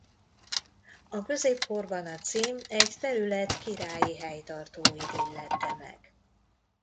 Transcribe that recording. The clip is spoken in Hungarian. A középkorban a cím egy terület királyi helytartóit illette meg.